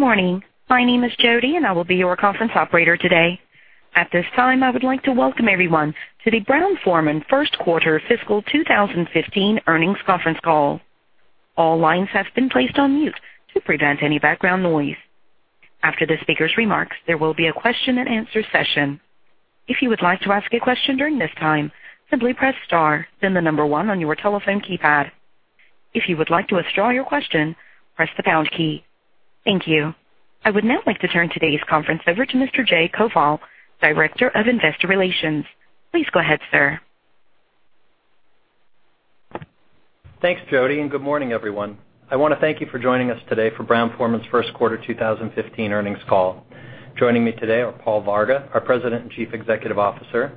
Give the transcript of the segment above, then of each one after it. Good morning. My name is Jody, and I will be your conference operator today. At this time, I would like to welcome everyone to the Brown-Forman first quarter fiscal 2015 earnings conference call. All lines have been placed on mute to prevent any background noise. After the speaker's remarks, there will be a question-and-answer session. If you would like to ask a question during this time, simply press star, then the number 1 on your telephone keypad. If you would like to withdraw your question, press the pound key. Thank you. I would now like to turn today's conference over to Mr. Jay Koval, Director of Investor Relations. Please go ahead, sir. Thanks, Jody, and good morning, everyone. I want to thank you for joining us today for Brown-Forman's first quarter 2015 earnings call. Joining me today are Paul Varga, our President and Chief Executive Officer,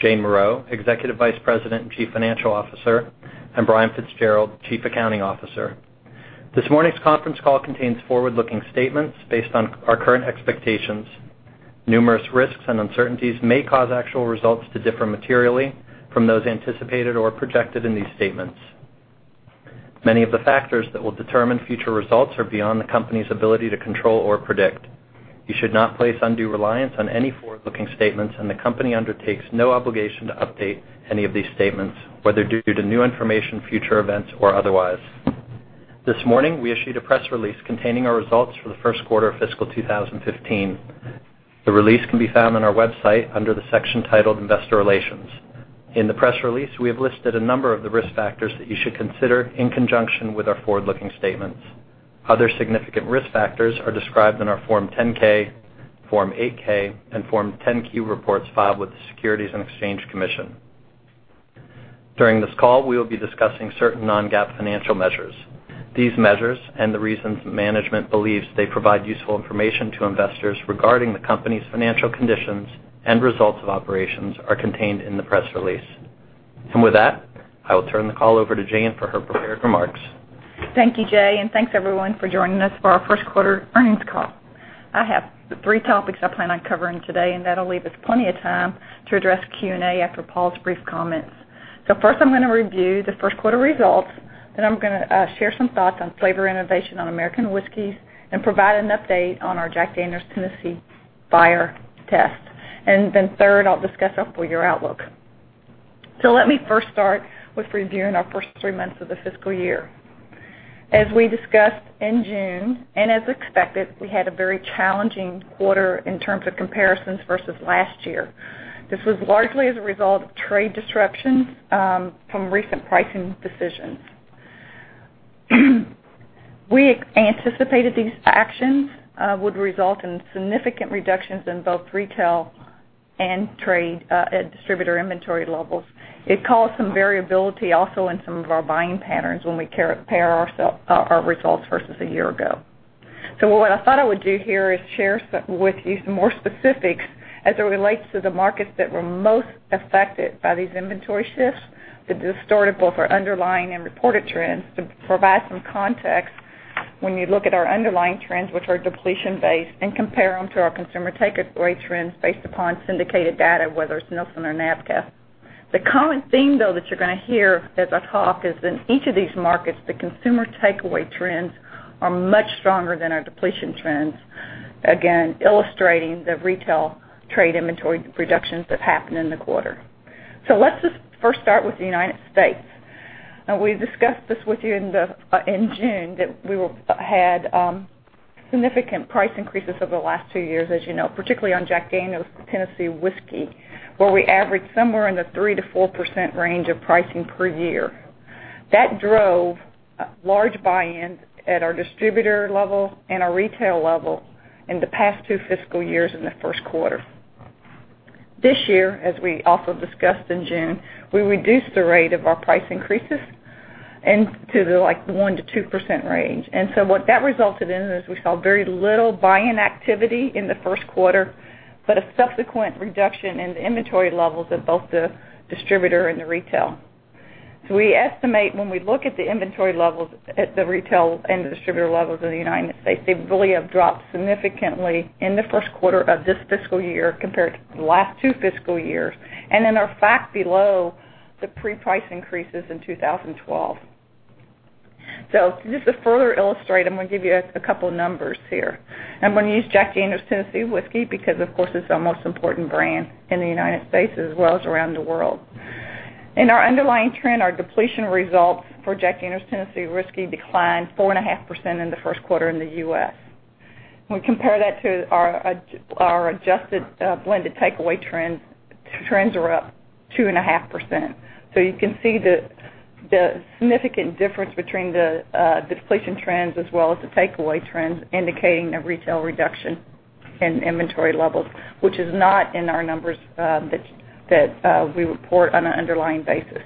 Jane Morreau, Executive Vice President and Chief Financial Officer, and Brian Fitzgerald, Chief Accounting Officer. This morning's conference call contains forward-looking statements based on our current expectations. Numerous risks and uncertainties may cause actual results to differ materially from those anticipated or projected in these statements. Many of the factors that will determine future results are beyond the company's ability to control or predict. You should not place undue reliance on any forward-looking statements, and the company undertakes no obligation to update any of these statements, whether due to new information, future events, or otherwise. This morning, we issued a press release containing our results for the first quarter of fiscal 2015. The release can be found on our website under the section titled Investor Relations. In the press release, we have listed a number of the risk factors that you should consider in conjunction with our forward-looking statements. Other significant risk factors are described in our Form 10-K, Form 8-K, and Form 10-Q reports filed with the Securities and Exchange Commission. During this call, we will be discussing certain non-GAAP financial measures. These measures and the reasons management believes they provide useful information to investors regarding the company's financial conditions and results of operations are contained in the press release. With that, I will turn the call over to Jane for her prepared remarks. Thank you, Jay, and thanks, everyone, for joining us for our first quarter earnings call. I have three topics I plan on covering today, and that'll leave us plenty of time to address Q&A after Paul's brief comments. First, I'm going to review the first quarter results, then I'm going to share some thoughts on flavor innovation on American whiskeys, and provide an update on our Jack Daniel's Tennessee Fire test. Then third, I'll discuss our full-year outlook. Let me first start with reviewing our first three months of the fiscal year. As we discussed in June, and as expected, we had a very challenging quarter in terms of comparisons versus last year. This was largely as a result of trade disruptions from recent pricing decisions. We anticipated these actions would result in significant reductions in both retail and trade at distributor inventory levels. It caused some variability also in some of our buying patterns when we compare our results versus a year ago. What I thought I would do here is share with you some more specifics as it relates to the markets that were most affected by these inventory shifts that distort both our underlying and reported trends to provide some context when you look at our underlying trends, which are depletion-based, and compare them to our consumer takeaway trends based upon syndicated data, whether it's Nielsen or NABCA. The common theme, though, that you're going to hear as I talk is in each of these markets, the consumer takeaway trends are much stronger than our depletion trends, again, illustrating the retail trade inventory reductions that happened in the quarter. Let's just first start with the U.S. We discussed this with you in June, that we had significant price increases over the last two years, as you know. Particularly on Jack Daniel's Tennessee Whiskey, where we averaged somewhere in the 3%-4% range of pricing per year. That drove large buy-ins at our distributor level and our retail level in the past two fiscal years in the first quarter. This year, as we also discussed in June, we reduced the rate of our price increases to the 1%-2% range. What that resulted in is we saw very little buy-in activity in the first quarter, but a subsequent reduction in the inventory levels at both the distributor and the retail. We estimate when we look at the inventory levels at the retail and the distributor levels of the U.S., they really have dropped significantly in the first quarter of this fiscal year compared to the last two fiscal years, and in fact, below the pre-price increases in 2012. Just to further illustrate, I'm going to give you a couple of numbers here. I'm going to use Jack Daniel's Tennessee Whiskey because, of course, it's our most important brand in the U.S., as well as around the world. In our underlying trend, our depletion results for Jack Daniel's Tennessee Whiskey declined 4.5% in the first quarter in the U.S. When we compare that to our adjusted blended takeaway trends are up 2.5%. You can see the significant difference between the depletion trends as well as the takeaway trends, indicating a retail reduction in inventory levels, which is not in our numbers that we report on an underlying basis.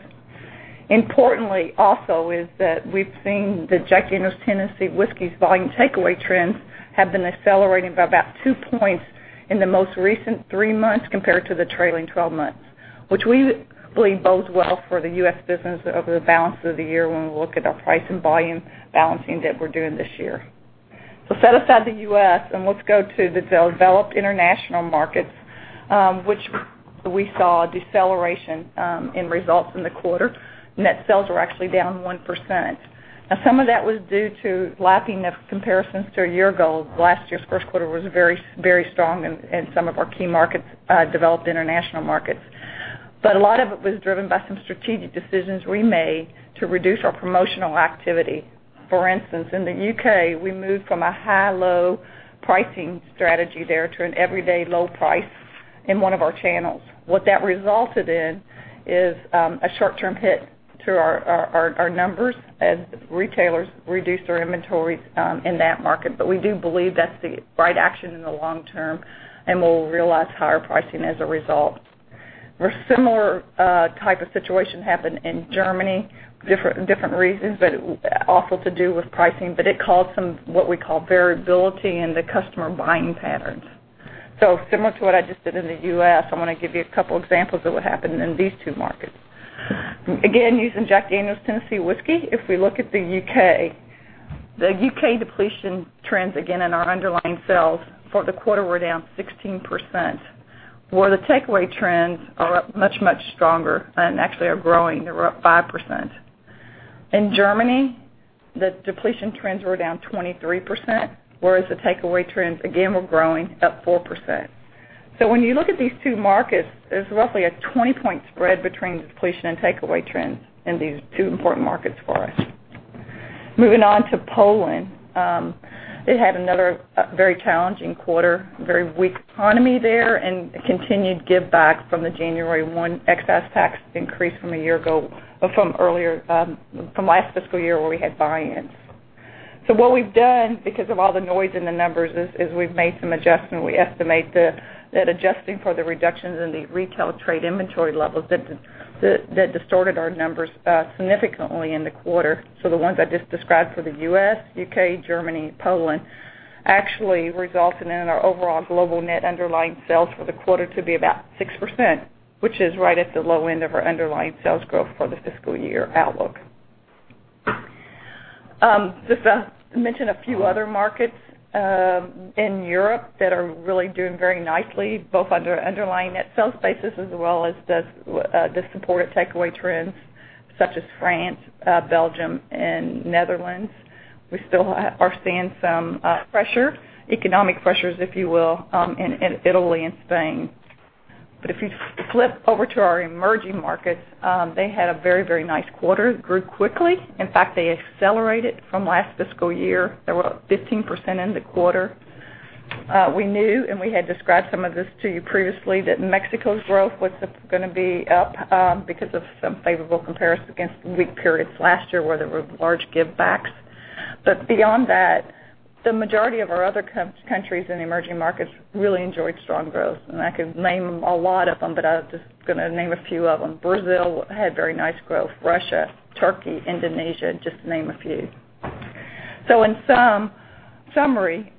Importantly, also, is that we've seen the Jack Daniel's Tennessee Whiskey's volume takeaway trends have been accelerating by about two points in the most recent three months compared to the trailing 12 months, which we believe bodes well for the U.S. business over the balance of the year when we look at our price and volume balancing that we're doing this year. Set aside the U.S., and let's go to the developed international markets. We saw a deceleration in results in the quarter. Net sales were actually down 1%. Some of that was due to lapping of comparisons to a year ago. Last year's first quarter was very strong in some of our key markets, developed international markets. A lot of it was driven by some strategic decisions we made to reduce our promotional activity. For instance, in the U.K., we moved from a high-low pricing strategy there to an everyday low price in one of our channels. What that resulted in is a short-term hit to our numbers as retailers reduced their inventories in that market. We do believe that's the right action in the long term, and we'll realize higher pricing as a result. A similar type 2 situation happened in Germany. Different reasons, but also to do with pricing. It caused some, what we call variability in the customer buying patterns. Similar to what I just did in the U.S., I'm going to give you a couple examples of what happened in these two markets. Again, using Jack Daniel's Tennessee Whiskey. If we look at the U.K., the U.K. depletion trends, again, in our underlying sales for the quarter were down 16%, where the takeaway trends are up much, much stronger and actually are growing. They were up 5%. In Germany, the depletion trends were down 23%, whereas the takeaway trends, again, were growing up 4%. When you look at these two markets, there's roughly a 20-point spread between the depletion and takeaway trends in these two important markets for us. Moving on to Poland, it had another very challenging quarter, very weak economy there, and continued give back from the January 1 excess tax increase from a year ago, or from last fiscal year, where we had buy-ins. What we've done, because of all the noise in the numbers, is we've made some adjustment. We estimate that adjusting for the reductions in the retail trade inventory levels that distorted our numbers significantly in the quarter. The ones I just described for the U.S., U.K., Germany, Poland, actually resulted in our overall global net underlying sales for the quarter to be about 6%, which is right at the low end of our underlying sales growth for the fiscal year outlook. Just to mention a few other markets in Europe that are really doing very nicely, both under underlying net sales basis as well as the supported takeaway trends such as France, Belgium, and Netherlands. We still are seeing some pressure, economic pressures, if you will, in Italy and Spain. If you flip over to our emerging markets, they had a very nice quarter. Grew quickly. In fact, they accelerated from last fiscal year. They were up 15% in the quarter. We knew, and we had described some of this to you previously, that Mexico's growth was going to be up because of some favorable comparison against weak periods last year, where there were large give backs. Beyond that, the majority of our other countries in the emerging markets really enjoyed strong growth. I could name a lot of them, but I'm just going to name a few of them. Brazil had very nice growth. Russia, Turkey, Indonesia, just to name a few. In summary,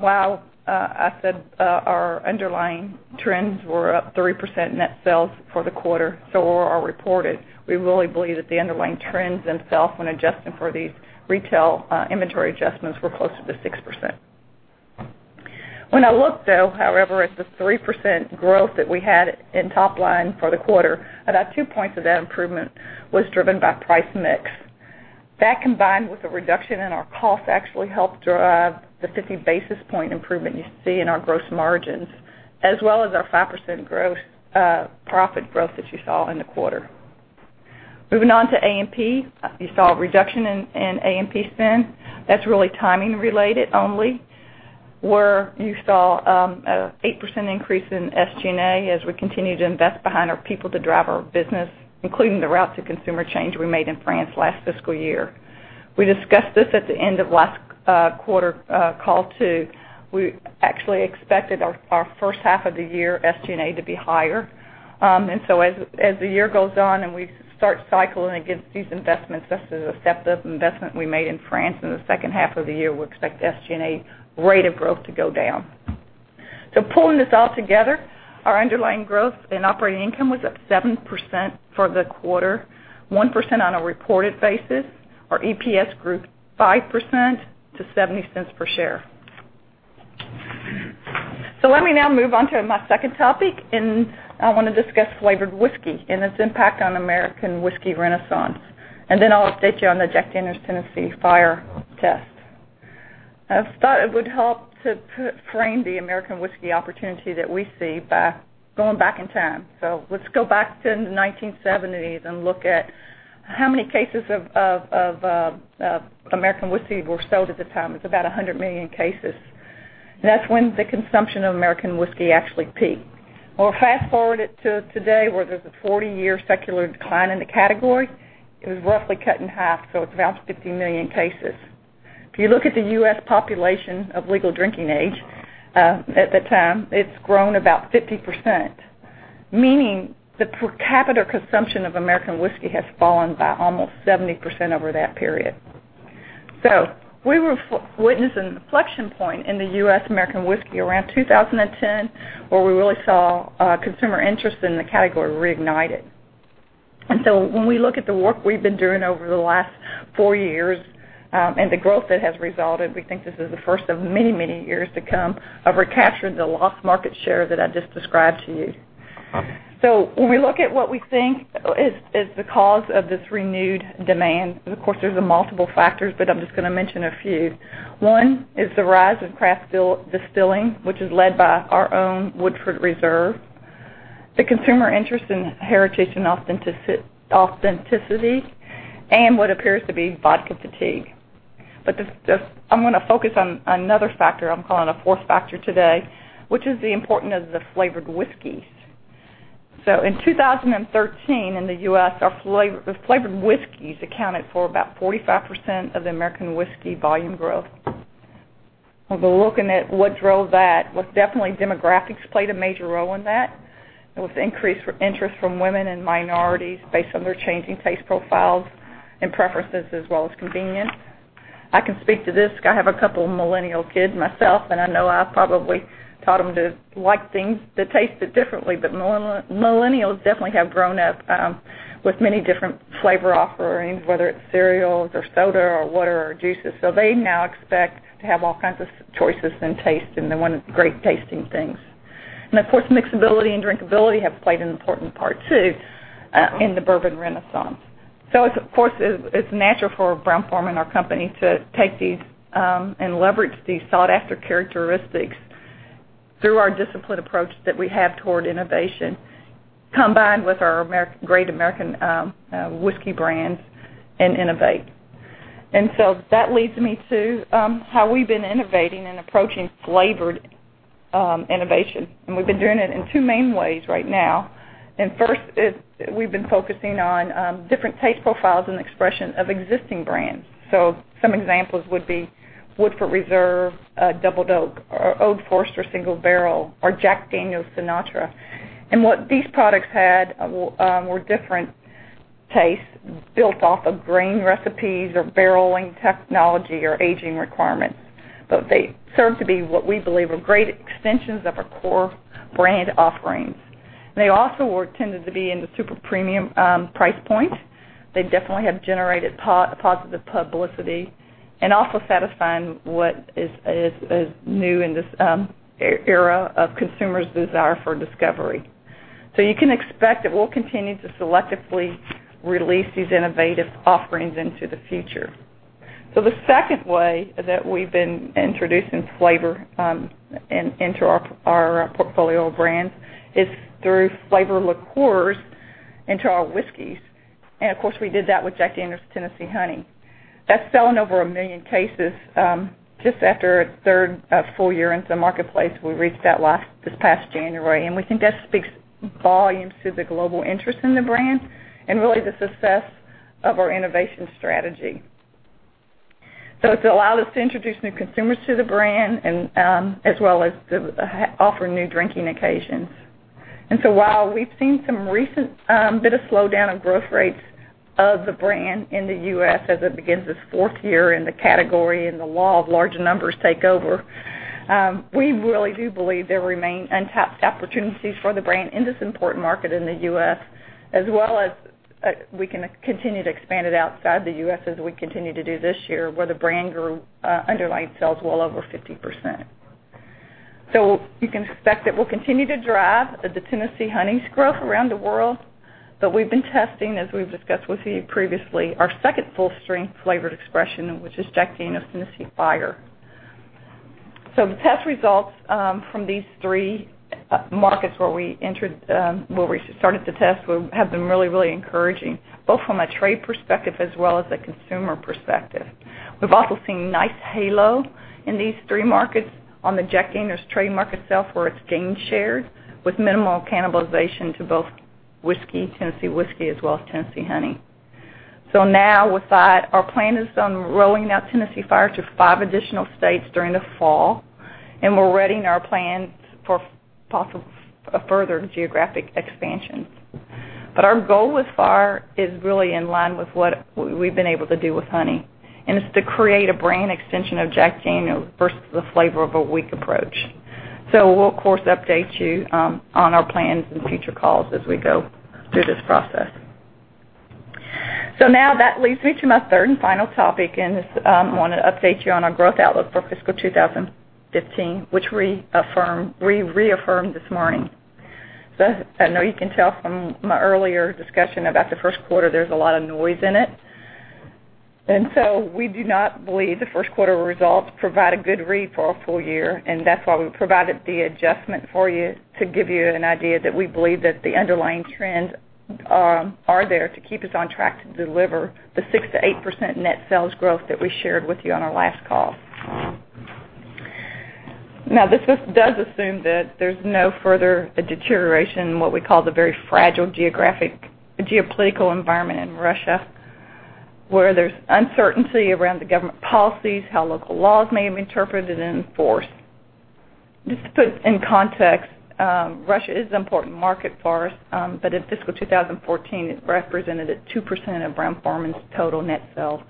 while I said our underlying trends were up 3% net sales for the quarter, so are reported, we really believe that the underlying trends themselves, when adjusting for these retail inventory adjustments, were closer to 6%. When I look, though, however, at the 3% growth that we had in top line for the quarter, about two points of that improvement was driven by price mix. That, combined with a reduction in our cost, actually helped drive the 50 basis point improvement you see in our gross margins, as well as our 5% profit growth that you saw in the quarter. Moving on to A&P. You saw a reduction in A&P spend. That's really timing related only, where you saw an 8% increase in SG&A as we continue to invest behind our people to drive our business, including the route to consumer change we made in France last fiscal year. We discussed this at the end of last quarter call, too. We actually expected our first half of the year SG&A to be higher. As the year goes on and we start cycling against these investments, such as the step-up investment we made in France, in the second half of the year, we expect SG&A rate of growth to go down. Pulling this all together, our underlying growth in operating income was up 7% for the quarter, 1% on a reported basis. Our EPS grew 5% to $0.70 per share. Let me now move on to my second topic, I want to discuss flavored whiskey and its impact on American whiskey renaissance. I'll update you on the Jack Daniel's Tennessee Fire test. I thought it would help to frame the American whiskey opportunity that we see by going back in time. Let's go back to the 1970s and look at how many cases of American whiskey were sold at the time. It's about 100 million cases. That's when the consumption of American whiskey actually peaked. We'll fast-forward it to today, where there's a 40-year secular decline in the category. It was roughly cut in half, so it's around 50 million cases. If you look at the U.S. population of legal drinking age at the time, it's grown about 50%, meaning the per capita consumption of American whiskey has fallen by almost 70% over that period. We were witnessing an inflection point in the U.S. American whiskey around 2010, where we really saw consumer interest in the category reignited. When we look at the work we've been doing over the last four years, and the growth that has resulted, we think this is the first of many, many years to come of recapturing the lost market share that I just described to you. When we look at what we think is the cause of this renewed demand, of course, there's multiple factors, but I'm just going to mention a few. One is the rise of craft distilling, which is led by our own Woodford Reserve, the consumer interest in heritage and authenticity, and what appears to be vodka fatigue. I'm going to focus on another factor, I'm calling a fourth factor today, which is the importance of the flavored whiskeys. In 2013, in the U.S., flavored whiskeys accounted for about 45% of the American whiskey volume growth. Now, looking at what drove that, definitely demographics played a major role in that. It was increased interest from women and minorities based on their changing taste profiles and preferences, as well as convenience. I can speak to this, because I have a couple millennial kids myself, I know I've probably taught them to like things that tasted differently. Millennials definitely have grown up with many different flavor offerings, whether it's cereals or soda or water or juices. They now expect to have all kinds of choices in taste, and they want great tasting things. Of course, mixability and drinkability have played an important part too, in the bourbon renaissance. Of course, it's natural for Brown-Forman, our company, to take these and leverage these sought-after characteristics through our disciplined approach that we have toward innovation, combined with our great American whiskey brands, and innovate. That leads me to how we've been innovating and approaching flavored innovation. We've been doing it in two main ways right now. First is we've been focusing on different taste profiles and expression of existing brands. Some examples would be Woodford Reserve Double Oaked, or Old Forester, Single Barrel, or Jack Daniel's Sinatra. What these products had were different tastes built off of grain recipes or barreling technology or aging requirements. They serve to be what we believe are great extensions of our core brand offerings. They also tended to be in the super premium price point. They definitely have generated positive publicity and also satisfying what is new in this era of consumers' desire for discovery. You can expect that we'll continue to selectively release these innovative offerings into the future. The second way that we've been introducing flavor into our portfolio of brands is through flavored liqueurs into our whiskeys. Of course, we did that with Jack Daniel's Tennessee Honey. That's selling over 1 million cases, just after its third full year into the marketplace, we reached that this past January, we think that speaks volumes to the global interest in the brand and really the success of our innovation strategy. It's allowed us to introduce new consumers to the brand and, as well as to offer new drinking occasions. While we've seen some recent bit of slowdown of growth rates of the brand in the U.S. as it begins its fourth year in the category and the law of large numbers take over, we really do believe there remain untapped opportunities for the brand in this important market in the U.S., as well as we can continue to expand it outside the U.S. as we continue to do this year, where the brand grew underlying sales well over 50%. You can expect that we'll continue to drive the Tennessee Honey's growth around the world. We've been testing, as we've discussed with you previously, our second full-strength flavored expression, which is Jack Daniel's Tennessee Fire. The test results, from these 3 markets where we started the test, have been really encouraging, both from a trade perspective as well as a consumer perspective. We've also seen nice halo in these 3 markets on the Jack Daniel's trademark itself, where it's gained shares with minimal cannibalization to both whiskey, Tennessee Whiskey, as well as Tennessee Honey. Now with that, our plan is on rolling out Tennessee Fire to 5 additional states during the fall, we're readying our plans for further geographic expansion. Our goal with Jack Daniel's Tennessee Fire is really in line with what we've been able to do with Jack Daniel's Tennessee Honey, and it's to create a brand extension of Jack Daniel's versus the flavor of a weak approach. We'll, of course, update you on our plans in future calls as we go through this process. That leads me to my third and final topic, I want to update you on our growth outlook for fiscal 2015, which we reaffirmed this morning. I know you can tell from my earlier discussion about the first quarter, there's a lot of noise in it. We do not believe the first quarter results provide a good read for our full year, and that's why we provided the adjustment for you to give you an idea that we believe that the underlying trends are there to keep us on track to deliver the 6%-8% net sales growth that we shared with you on our last call. This does assume that there's no further deterioration in what we call the very fragile geopolitical environment in Russia, where there's uncertainty around the government policies, how local laws may have been interpreted and enforced. Just to put in context, Russia is an important market for us, but in fiscal 2014, it represented a 2% of Brown-Forman's total net sales.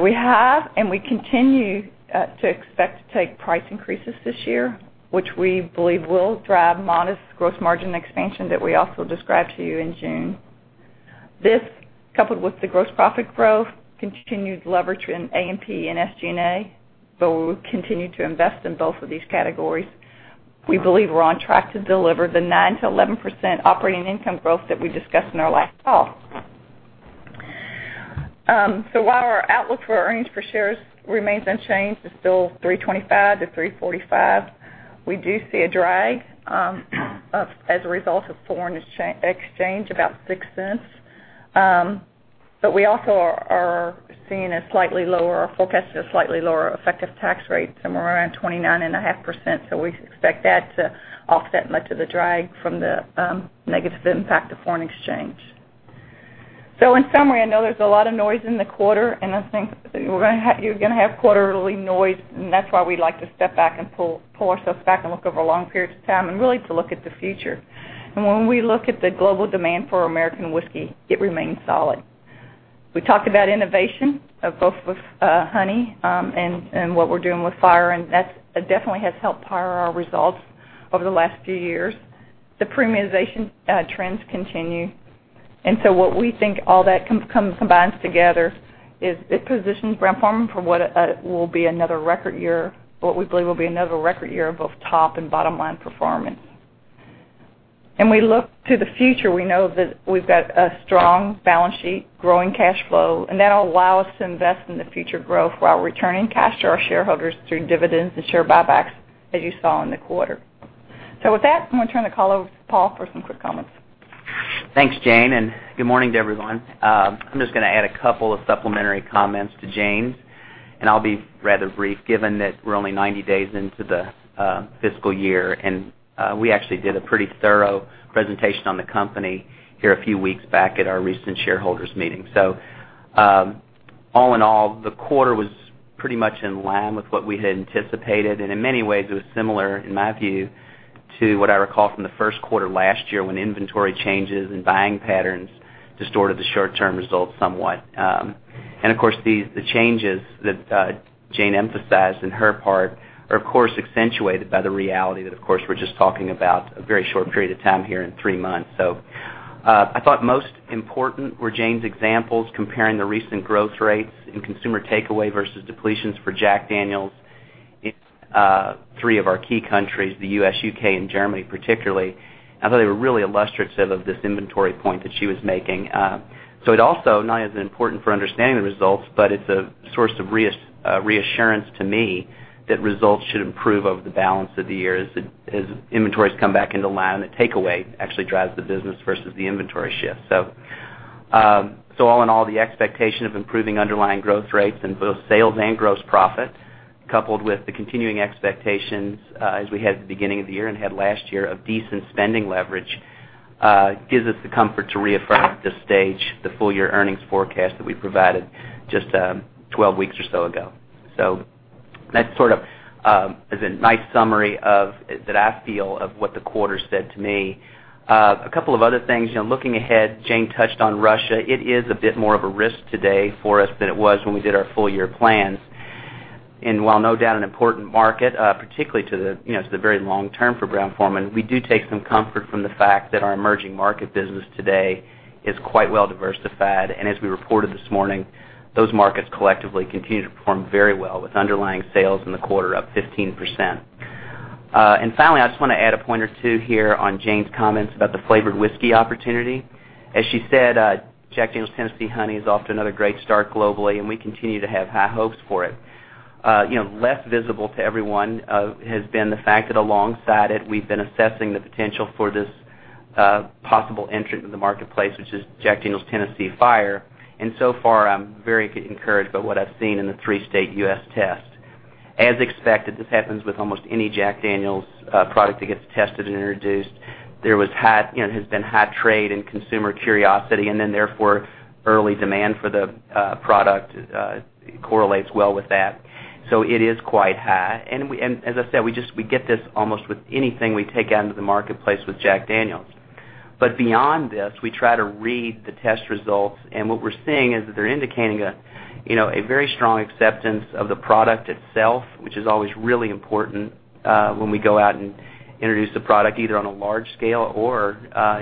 We have, and we continue to expect to take price increases this year, which we believe will drive modest gross margin expansion that we also described to you in June. This, coupled with the gross profit growth, continued leverage in A&P and SG&A, though we'll continue to invest in both of these categories. We believe we're on track to deliver the 9%-11% operating income growth that we discussed in our last call. While our outlook for earnings per share remains unchanged, it's still $3.25-$3.45, we do see a drag as a result of foreign exchange, about $0.06. We also are forecasting a slightly lower effective tax rate, somewhere around 29.5%. We expect that to offset much of the drag from the negative impact of foreign exchange. In summary, I know there's a lot of noise in the quarter, I think you're going to have quarterly noise, that's why we like to step back and pull ourselves back and look over long periods of time and really to look at the future. When we look at the global demand for American whiskey, it remains solid. We talked about innovation, both with Jack Daniel's Tennessee Honey and what we're doing with Jack Daniel's Tennessee Fire, that definitely has helped power our results over the last few years. The premiumization trends continue, what we think all that combines together is it positions Brown-Forman for what it will be another record year, what we believe will be another record year of both top and bottom-line performance. We look to the future. We know that we've got a strong balance sheet, growing cash flow, and that'll allow us to invest in the future growth while returning cash to our shareholders through dividends and share buybacks as you saw in the quarter. With that, I'm going to turn the call over to Paul for some quick comments. Thanks, Jane. Good morning to everyone. I'm just going to add a couple of supplementary comments to Jane's. I'll be rather brief given that we're only 90 days into the fiscal year, we actually did a pretty thorough presentation on the company here a few weeks back at our recent shareholders meeting. All in all, the quarter was pretty much in line with what we had anticipated, and in many ways, it was similar, in my view, to what I recall from the first quarter last year when inventory changes and buying patterns distorted the short-term results somewhat. Of course, the changes that Jane emphasized in her part are, of course, accentuated by the reality that, of course, we're just talking about a very short period of time here in three months. I thought most important were Jane's examples comparing the recent growth rates in consumer takeaway versus depletions for Jack Daniel's in three of our key countries, the U.S., U.K., and Germany particularly. I thought they were really illustrative of this inventory point that she was making. It also, not only is it important for understanding the results, but it's a source of reassurance to me that results should improve over the balance of the year as inventories come back into line, and takeaway actually drives the business versus the inventory shift. All in all, the expectation of improving underlying growth rates in both sales and gross profit, coupled with the continuing expectations as we had at the beginning of the year and had last year of decent spending leverage gives us the comfort to reaffirm at this stage the full-year earnings forecast that we provided just 12 weeks or so ago. That sort of is a nice summary that I feel of what the quarter said to me. A couple of other things. Looking ahead, Jane touched on Russia. It is a bit more of a risk today for us than it was when we did our full-year plans. While no doubt an important market, particularly to the very long term for Brown-Forman, we do take some comfort from the fact that our emerging market business today is quite well diversified. As we reported this morning, those markets collectively continue to perform very well with underlying sales in the quarter up 15%. Finally, I just want to add a point or two here on Jane's comments about the flavored whiskey opportunity. As she said, Jack Daniel's Tennessee Honey is off to another great start globally, and we continue to have high hopes for it. Less visible to everyone has been the fact that alongside it, we've been assessing the potential for this possible entrant in the marketplace, which is Jack Daniel's Tennessee Fire. So far, I'm very encouraged by what I've seen in the three-state U.S. test. As expected, this happens with almost any Jack Daniel's product that gets tested and introduced. There has been high trade and consumer curiosity, and therefore, early demand for the product correlates well with that. It is quite high. As I said, we get this almost with anything we take out into the marketplace with Jack Daniel's. Beyond this, we try to read the test results, and what we're seeing is that they're indicating a very strong acceptance of the product itself, which is always really important when we go out and introduce a product, either on a large scale or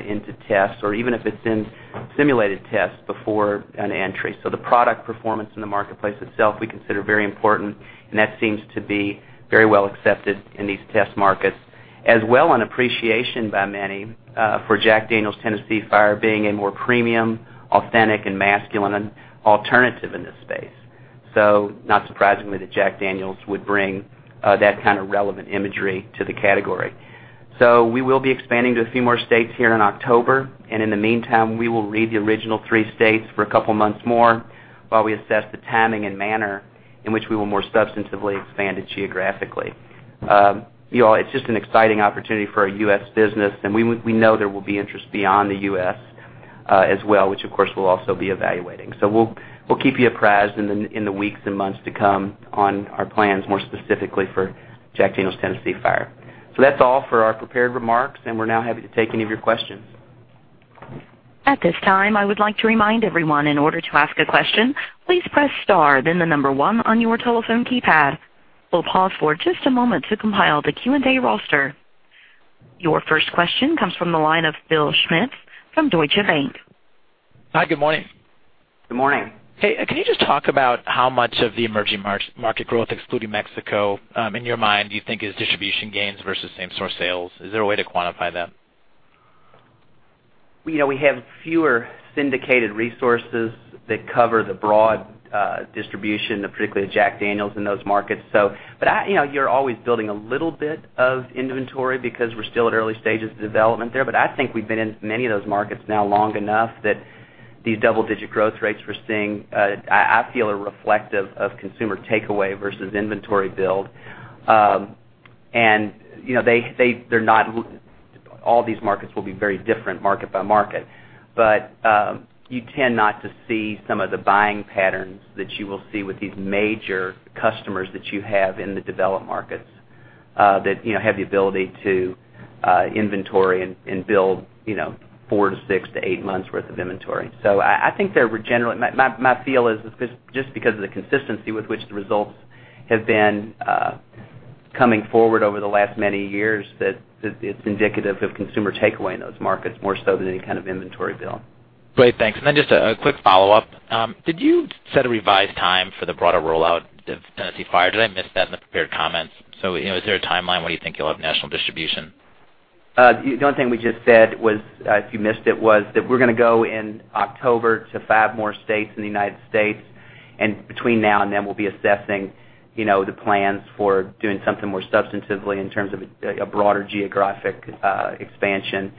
into tests, or even if it's in simulated tests before an entry. The product performance in the marketplace itself, we consider very important, and that seems to be very well accepted in these test markets. As well, an appreciation by many for Jack Daniel's Tennessee Fire being a more premium, authentic, and masculine alternative in this space. Not surprisingly that Jack Daniel's would bring that kind of relevant imagery to the category. We will be expanding to a few more states here in October, and in the meantime, we will read the original three states for a couple of months more while we assess the timing and manner in which we will more substantively expand it geographically. It's just an exciting opportunity for our U.S. business, and we know there will be interest beyond the U.S. as well, which, of course, we'll also be evaluating. We'll keep you apprised in the weeks and months to come on our plans, more specifically for Jack Daniel's Tennessee Fire. That's all for our prepared remarks, and we're now happy to take any of your questions. At this time, I would like to remind everyone, in order to ask a question, please press star, then number 1 on your telephone keypad. We'll pause for just a moment to compile the Q&A roster. Your first question comes from the line of Bill Schmitz from Deutsche Bank. Hi, good morning. Good morning. Hey, can you just talk about how much of the emerging market growth, excluding Mexico, in your mind, do you think is distribution gains versus same store sales? Is there a way to quantify that? We have fewer syndicated resources that cover the broad distribution, particularly of Jack Daniel's in those markets. You're always building a little bit of inventory because we're still at early stages of development there. I think we've been in many of those markets now long enough that these double-digit growth rates we're seeing, I feel are reflective of consumer takeaway versus inventory build. All these markets will be very different market by market. You tend not to see some of the buying patterns that you will see with these major customers that you have in the developed markets, that have the ability to inventory and build four to six to eight months' worth of inventory. My feel is, just because of the consistency with which the results have been coming forward over the last many years, that it's indicative of consumer takeaway in those markets, more so than any kind of inventory build. Great, thanks. Then just a quick follow-up. Did you set a revised time for the broader rollout of Tennessee Fire? Did I miss that in the prepared comments? Is there a timeline when you think you'll have national distribution? The only thing we just said was, if you missed it, was that we're going to go in October to five more states in the United States, between now and then, we'll be assessing the plans for doing something more substantively in terms of a broader geographic expansion.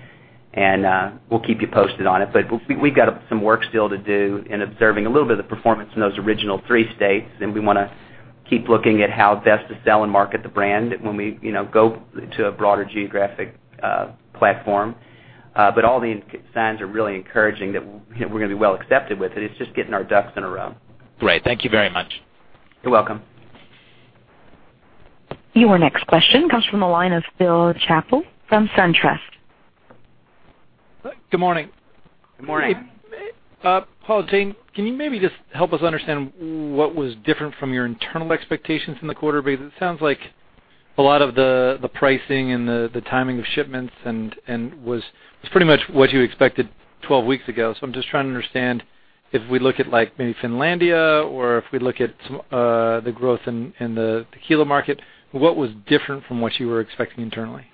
We'll keep you posted on it. We've got some work still to do in observing a little bit of the performance in those original three states, and we want to keep looking at how best to sell and market the brand when we go to a broader geographic platform. All the signs are really encouraging that we're going to be well accepted with it. It's just getting our ducks in a row. Great. Thank you very much. You're welcome. Your next question comes from the line of Phil Chappell from SunTrust. Good morning. Good morning. Paul, Jane, can you maybe just help us understand what was different from your internal expectations in the quarter? It sounds like a lot of the pricing and the timing of shipments was pretty much what you expected 12 weeks ago. I'm just trying to understand, if we look at like maybe Finlandia, or if we look at the growth in the tequila market, what was different from what you were expecting internally?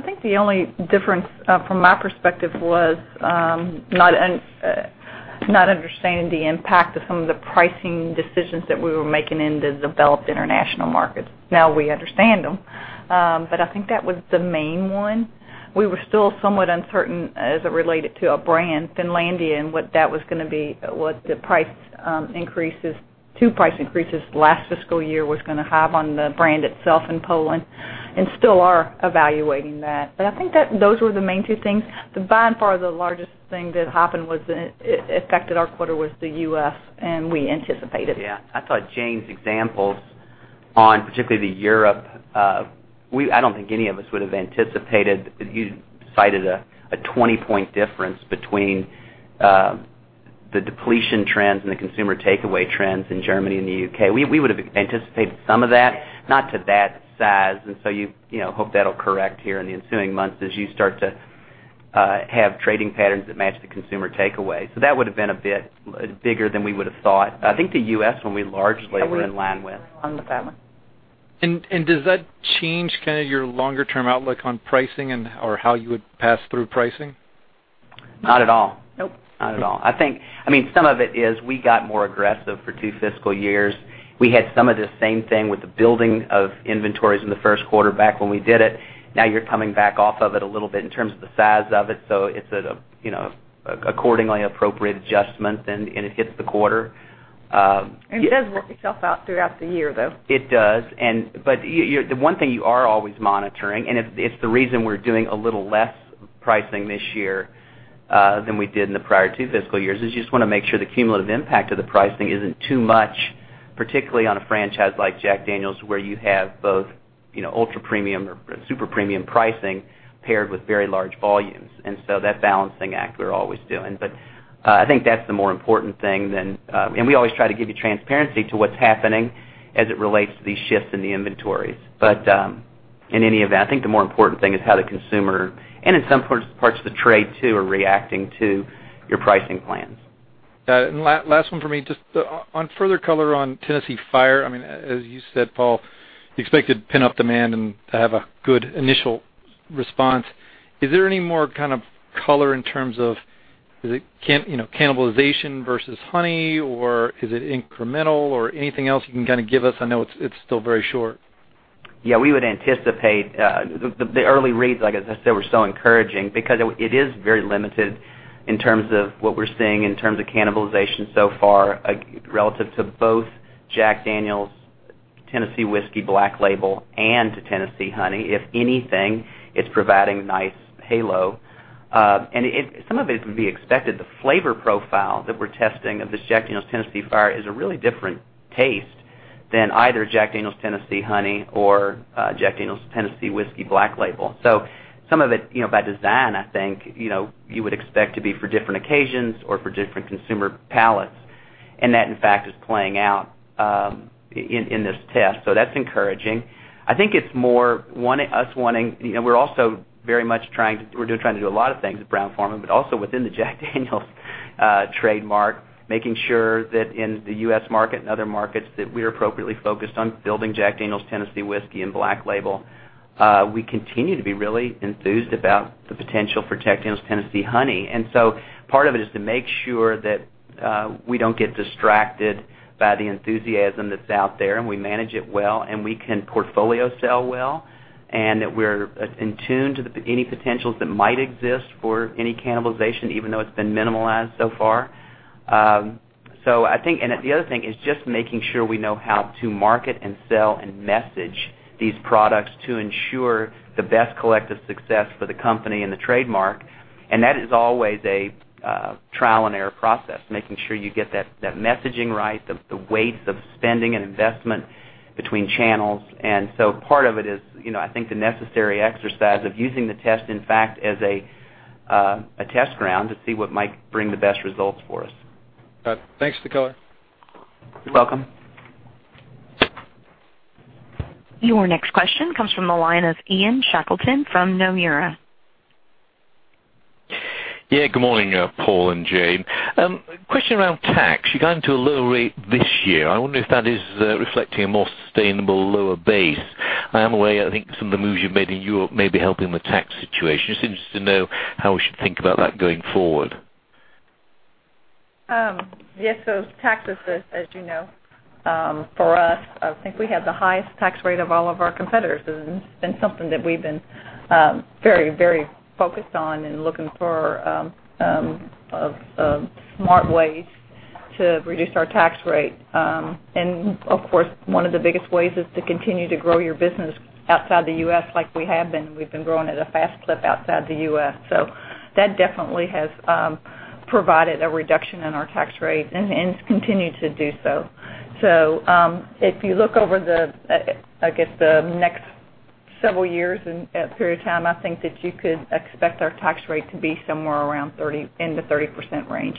I think the only difference from my perspective was, not understanding the impact of some of the pricing decisions that we were making in the developed international markets. Now we understand them. I think that was the main one. We were still somewhat uncertain as it related to a brand, Finlandia, and what that was going to be, what the price increases, two price increases last fiscal year was going to have on the brand itself in Poland, and still are evaluating that. I think those were the main two things. By far, the largest thing that happened was, it affected our quarter was the U.S., and we anticipated. Yeah, I thought Jane's examples on particularly the Europe, I don't think any of us would have anticipated that you cited a 20-point difference between the depletion trends and the consumer takeaway trends in Germany and the U.K. We would've anticipated some of that, not to that size. You hope that'll correct here in the ensuing months as you start to have trading patterns that match the consumer takeaway. That would've been a bit bigger than we would've thought. I think the U.S., when we largely were in line with. On the family. Does that change kind of your longer-term outlook on pricing and/or how you would pass through pricing? Not at all. Nope. Not at all. I think some of it is we got more aggressive for two fiscal years. We had some of the same thing with the building of inventories in the first quarter back when we did it. Now you're coming back off of it a little bit in terms of the size of it, so it's accordingly appropriate adjustments, and it hits the quarter. It does work itself out throughout the year, though. It does. The one thing you are always monitoring, and it's the reason we're doing a little less pricing this year, than we did in the prior two fiscal years, is you just want to make sure the cumulative impact of the pricing isn't too much, particularly on a franchise like Jack Daniel's, where you have both ultra premium or super premium pricing paired with very large volumes. That balancing act we're always doing. I think that's the more important thing than we always try to give you transparency to what's happening as it relates to these shifts in the inventories. In any event, I think the more important thing is how the consumer, and in some parts of the trade too, are reacting to your pricing plans. Last one for me. Just on further color on Jack Daniel's Tennessee Fire, as you said, Paul, you expect to pin up demand and have a good initial response. Is there any more kind of color in terms of, is it cannibalization versus Jack Daniel's Tennessee Honey, or is it incremental or anything else you can give us? I know it's still very short. We would anticipate The early reads, like as I said, were so encouraging because it is very limited in terms of what we're seeing in terms of cannibalization so far, relative to both Jack Daniel's Tennessee Whiskey Black Label and to Jack Daniel's Tennessee Honey. If anything, it's providing nice halo. Some of it would be expected. The flavor profile that we're testing of this Jack Daniel's Tennessee Fire is a really different taste than either Jack Daniel's Tennessee Honey or Jack Daniel's Tennessee Whiskey Black Label. Some of it, by design, I think, you would expect to be for different occasions or for different consumer palates. That, in fact, is playing out, in this test. That's encouraging. We're also very much trying to do a lot of things at Brown-Forman, but also within the Jack Daniel's trademark, making sure that in the U.S. market and other markets, that we're appropriately focused on building Jack Daniel's Tennessee Whiskey and Black Label. We continue to be really enthused about the potential for Jack Daniel's Tennessee Honey. Part of it is to make sure that we don't get distracted by the enthusiasm that's out there, and we manage it well, and we can portfolio sell well, and that we're in tune to any potentials that might exist for any cannibalization, even though it's been minimalized so far. The other thing is just making sure we know how to market and sell and message these products to ensure the best collective success for the company and the trademark. That is always a trial-and-error process, making sure you get that messaging right, the weights of spending and investment between channels. Part of it is I think the necessary exercise of using the test, in fact, as a test ground to see what might bring the best results for us. Got it. Thanks, Nicola. You're welcome. Your next question comes from the line of Ian Shackleton from Nomura. Good morning, Paul and Jane. Question around tax. You got into a low rate this year. I wonder if that is reflecting a more sustainable lower base. I am aware, I think some of the moves you've made in Europe may be helping the tax situation. Just interested to know how we should think about that going forward. Yes. Tax is, as you know, for us, I think we have the highest tax rate of all of our competitors. It's been something that we've been very focused on and looking for smart ways to reduce our tax rate. Of course, one of the biggest ways is to continue to grow your business outside the U.S. like we have been. We've been growing at a fast clip outside the U.S. That definitely has provided a reduction in our tax rate and has continued to do so. If you look over the, I guess, the next several years and period of time, I think that you could expect our tax rate to be somewhere around in the 30% range.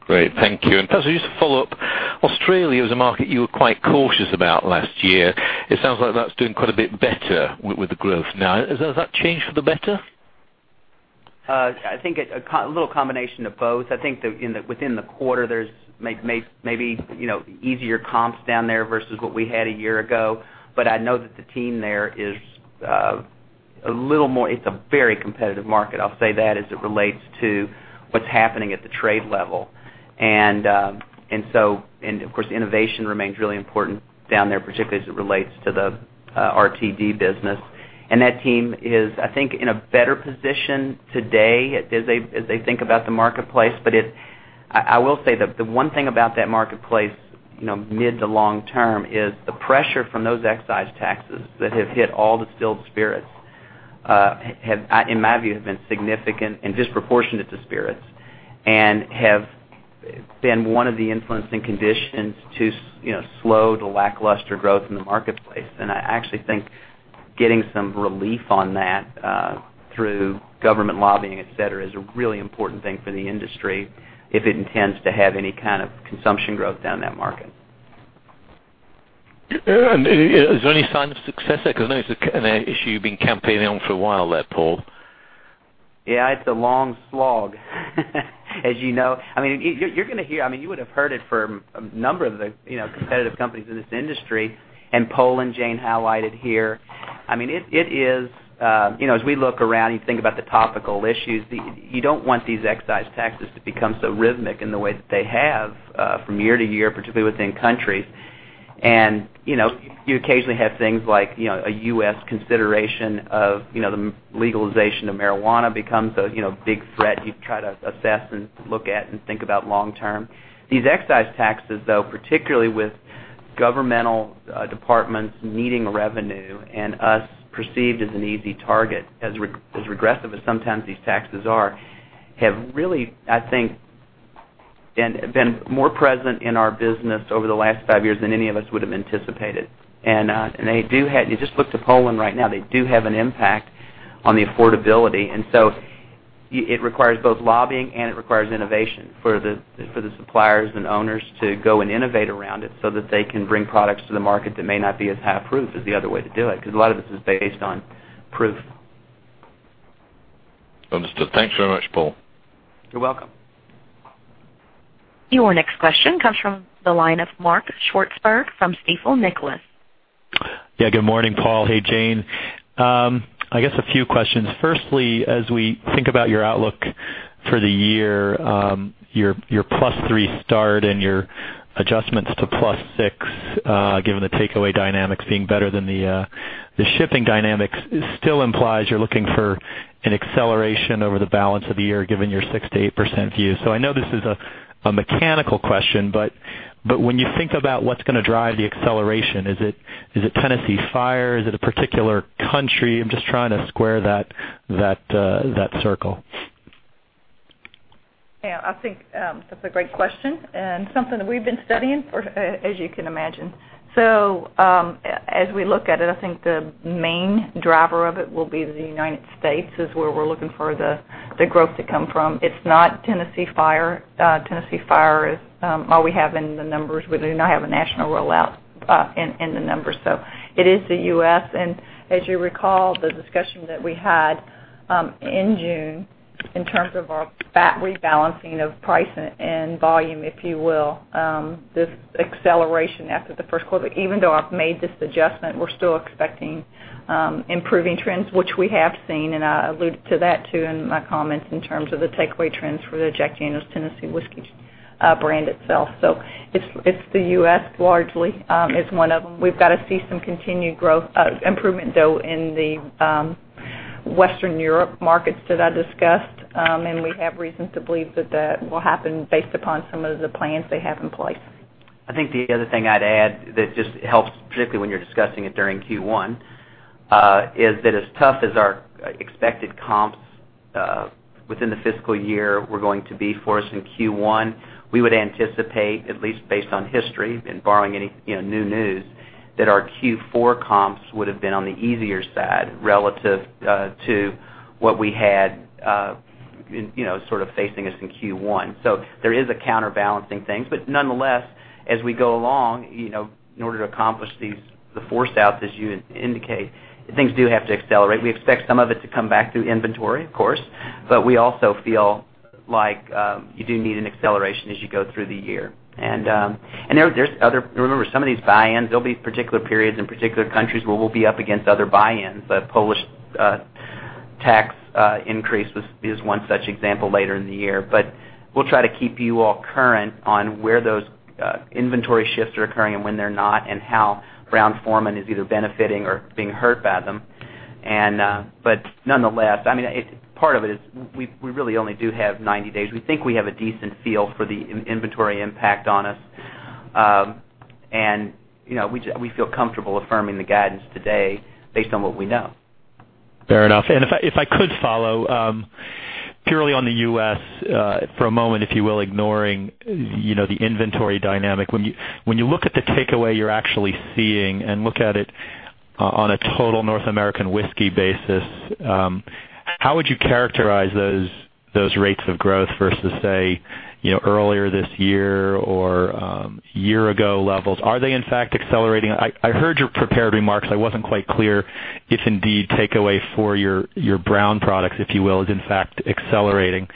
Great. Thank you. Just to follow up, Australia is a market you were quite cautious about last year. It sounds like that's doing quite a bit better with the growth now. Has that changed for the better? I think a little combination of both. I think that within the quarter, there's maybe easier comps down there versus what we had a year ago. I know that the team there is a little more, it's a very competitive market, I'll say that, as it relates to what's happening at the trade level. Of course, innovation remains really important down there, particularly as it relates to the RTD business. That team is, I think, in a better position today as they think about the marketplace. I will say the one thing about that marketplace, mid to long term is the pressure from those excise taxes that have hit all distilled spirits, in my view, have been significant and disproportionate to spirits, and have been one of the influencing conditions to slow to lackluster growth in the marketplace. I actually think getting some relief on that, through government lobbying, et cetera, is a really important thing for the industry if it intends to have any kind of consumption growth down that market. Is there any sign of success there? Because I know it's an issue you've been campaigning on for a while there, Paul. Yeah, it's a long slog. As you know. You would've heard it for a number of the competitive companies in this industry, and Poland, Jane highlighted here. We look around, you think about the topical issues, you don't want these excise taxes to become so rhythmic in the way that they have, from year to year, particularly within countries. You occasionally have things like, a U.S. consideration of the legalization of marijuana becomes a big threat you try to assess and look at and think about long term. These excise taxes, though, particularly with governmental departments needing revenue and us perceived as an easy target, as regressive as sometimes these taxes are, have really, I think, been more present in our business over the last five years than any of us would've anticipated. You just look to Poland right now, they do have an impact on the affordability. It requires both lobbying and it requires innovation for the suppliers and owners to go and innovate around it so that they can bring products to the market that may not be as high proof, is the other way to do it, because a lot of this is based on proof. Understood. Thanks very much, Paul. You're welcome. Your next question comes from the line of Mark Swartzberg from Stifel Nicolaus. Good morning, Paul. Hey, Jane. I guess a few questions. Firstly, as we think about your outlook for the year, your +3 start and your adjustments to +6, given the takeaway dynamics being better than the shipping dynamics still implies you're looking for an acceleration over the balance of the year, given your 6%-8% view. I know this is a mechanical question, but when you think about what's going to drive the acceleration, is it Jack Daniel's Tennessee Fire? Is it a particular country? I'm just trying to square that circle. I think that's a great question and something that we've been studying, as you can imagine. As we look at it, I think the main driver of it will be the United States, is where we're looking for the growth to come from. It's not Tennessee Fire. Tennessee Fire is all we have in the numbers. We do not have a national rollout in the numbers. It is the U.S., and as you recall, the discussion that we had in June, in terms of our rebalancing of price and volume, if you will, this acceleration after the first quarter. Even though I've made this adjustment, we're still expecting improving trends, which we have seen, and I alluded to that too in my comments in terms of the takeaway trends for the Jack Daniel's Tennessee Whiskey brand itself. It's the U.S., largely, is one of them. We've got to see some continued improvement, though, in the Western Europe markets that I discussed. We have reason to believe that that will happen based upon some of the plans they have in place. I think the other thing I'd add that just helps, particularly when you're discussing it during Q1, is that as tough as our expected comps within the fiscal year were going to be for us in Q1, we would anticipate, at least based on history and borrowing any new news, that our Q4 comps would have been on the easier side relative to what we had facing us in Q1. There is a counterbalancing thing, but nonetheless, as we go along, in order to accomplish the force-outs, as you indicate, things do have to accelerate. We expect some of it to come back through inventory, of course, but we also feel like you do need an acceleration as you go through the year. Remember, some of these buy-ins, there'll be particular periods in particular countries where we'll be up against other buy-ins. A Polish tax increase is one such example later in the year. We'll try to keep you all current on where those inventory shifts are occurring and when they're not, and how Brown-Forman is either benefiting or being hurt by them. Nonetheless, part of it is we really only do have 90 days. We think we have a decent feel for the inventory impact on us. We feel comfortable affirming the guidance today based on what we know. Fair enough. If I could follow, purely on the U.S. for a moment, if you will, ignoring the inventory dynamic. When you look at the takeaway you're actually seeing and look at it on a total North American whiskey basis, how would you characterize those rates of growth versus, say, earlier this year or year-ago levels? Are they in fact accelerating? I heard your prepared remarks. I wasn't quite clear if indeed takeaway for your Brown products, if you will, is in fact accelerating.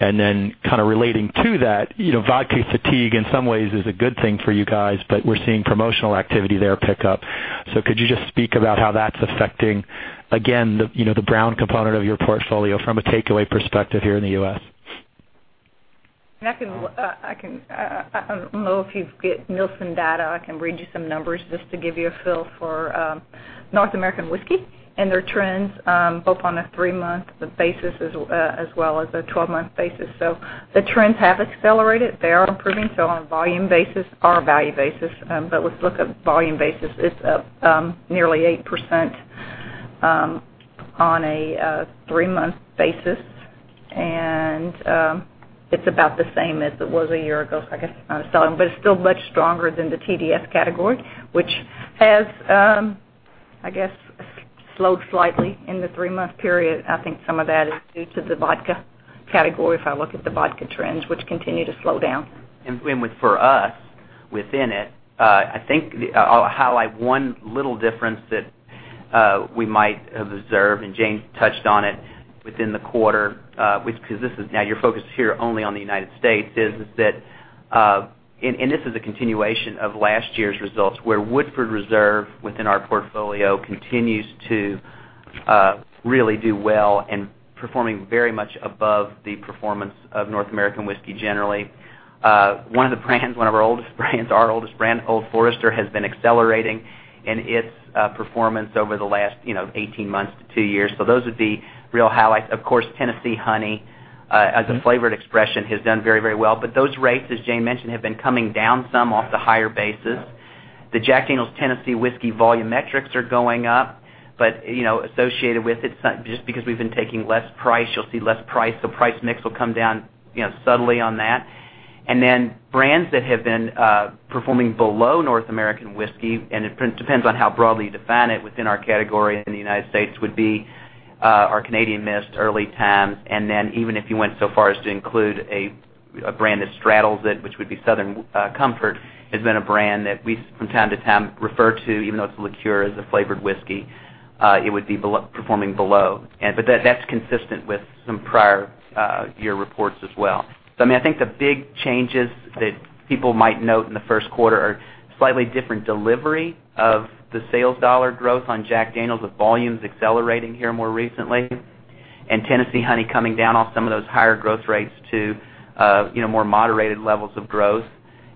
Then relating to that, vodka fatigue in some ways is a good thing for you guys, but we're seeing promotional activity there pick up. Could you just speak about how that's affecting, again, the Brown component of your portfolio from a takeaway perspective here in the U.S.? I don't know if you get Nielsen data. I can read you some numbers just to give you a feel for North American whiskey and their trends, both on a three-month basis as well as a 12-month basis. The trends have accelerated. They are improving, on a volume basis or a value basis. Let's look at volume basis. It's up nearly 8% on a three-month basis, and it's about the same as it was a year-ago, I guess. It's still much stronger than the TDS category, which has, I guess, slowed slightly in the three-month period. I think some of that is due to the vodka category, if I look at the vodka trends, which continue to slow down. For us, within it, I think I'll highlight one little difference that we might have observed, and Jane touched on it within the quarter. Now you're focused here only on the United States, this is a continuation of last year's results, where Woodford Reserve within our portfolio continues to really do well and performing very much above the performance of North American whiskey generally. One of the brands, one of our oldest brands, our oldest brand, Old Forester, has been accelerating in its performance over the last 18 months to two years. Those are the real highlights. Of course, Tennessee Honey, as a flavored expression, has done very well. Those rates, as Jane mentioned, have been coming down some off the higher bases. The Jack Daniel's Tennessee Whiskey volume metrics are going up, associated with it, just because we've been taking less price, you'll see less price. The price mix will come down subtly on that. Then brands that have been performing below North American whiskey, and it depends on how broadly you define it within our category in the United States, would be our Canadian Mist, Early Times, and even if you went so far as to include a brand that straddles it, which would be Southern Comfort, has been a brand that we from time to time refer to, even though it's a liqueur, as a flavored whiskey. It would be performing below. That's consistent with some prior-year reports as well. I think the big changes that people might note in the first quarter are slightly different delivery of the sales dollar growth on Jack Daniel's, with volumes accelerating here more recently, and Tennessee Honey coming down off some of those higher growth rates to more moderated levels of growth.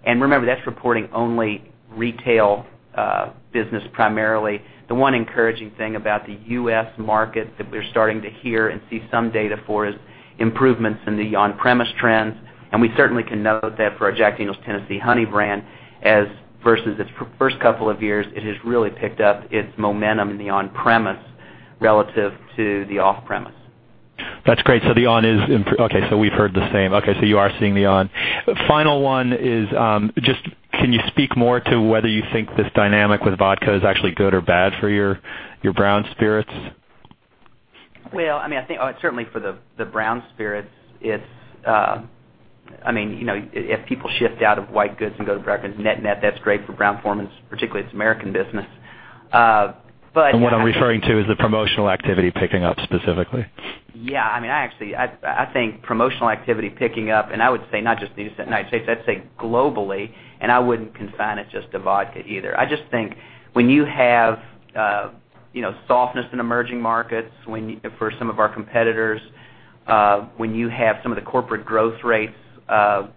Remember, that's reporting only retail business primarily. The one encouraging thing about the U.S. market that we're starting to hear and see some data for is improvements in the on-premise trends, and we certainly can note that for our Jack Daniel's Tennessee Honey brand versus its first couple of years, it has really picked up its momentum in the on-premise relative to the off-premise. That's great. The on is okay, we've heard the same. You are seeing the on. Final one is, can you speak more to whether you think this dynamic with vodka is actually good or bad for your brown spirits? I think, certainly for the brown spirits, if people shift out of white goods and go to brown goods, net, that's great for Brown-Forman's, particularly its American business. What I'm referring to is the promotional activity picking up specifically. Yeah. Actually, I think promotional activity picking up, I would say not just United States, I'd say globally, and I wouldn't confine it just to vodka either. I just think when you have softness in emerging markets for some of our competitors, when you have some of the corporate growth rates that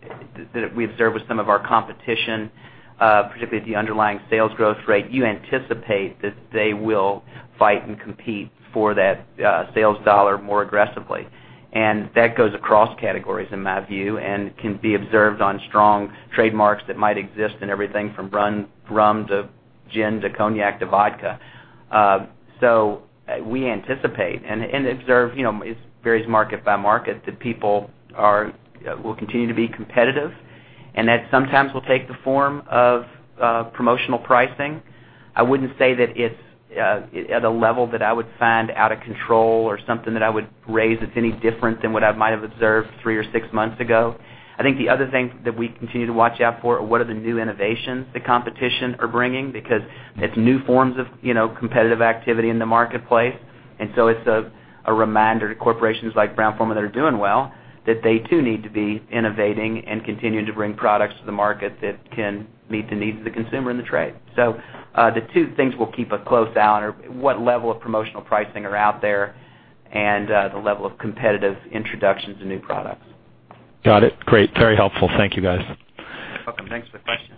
we observe with some of our competition, particularly at the underlying sales growth rate, you anticipate that they will fight and compete for that sales dollar more aggressively. That goes across categories, in my view, and can be observed on strong trademarks that might exist in everything from rum to gin to cognac to vodka. We anticipate and observe, it varies market by market, that people will continue to be competitive, and that sometimes will take the form of promotional pricing. I wouldn't say that it's at a level that I would find out of control or something that I would raise that's any different than what I might have observed three or six months ago. I think the other thing that we continue to watch out for are what are the new innovations that competition are bringing, because it's new forms of competitive activity in the marketplace. It's a reminder to corporations like Brown-Forman that are doing well, that they too need to be innovating and continuing to bring products to the market that can meet the needs of the consumer and the trade. The two things we'll keep a close eye on are what level of promotional pricing are out there and the level of competitive introductions of new products. Got it. Great. Very helpful. Thank you, guys. You're welcome. Thanks for the question.